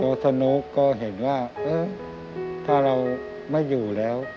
สนุกก็เห็นว่าถ้าเราไม่อยู่แล้ว